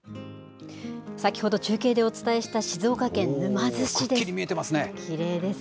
先ほど、中継でお伝えした静岡県沼津市です。